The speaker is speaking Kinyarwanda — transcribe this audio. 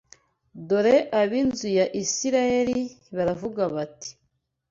Dore ab’inzu ya Isirayeli baravuga bati